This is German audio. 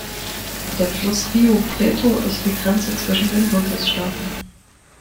Der Fluss Rio Preto ist die Grenze zwischen den Bundesstaaten.